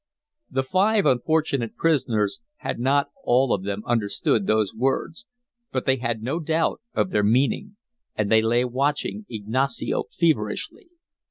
The five unfortunate prisoners had not all of them understood those words, but they had no doubt of their meaning. And they lay watching Ignacio feverishly.